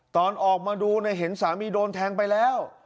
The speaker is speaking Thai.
ตอนออกมาดูเห็นสามีโดนแทงไปแล้ว